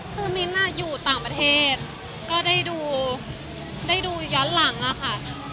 คือมิ้นท์อยู่ต่างประเทศก็ได้ดูย้อนหลังอะค่ะ